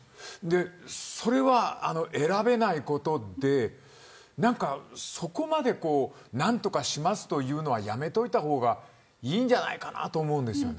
それは選べないことでそこまで何とかしますというのはやめといた方がいいんじゃないかなと思うんです。